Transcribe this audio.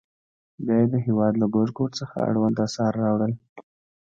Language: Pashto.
بیا یې د هېواد له ګوټ ګوټ څخه اړوند اثار راوړل.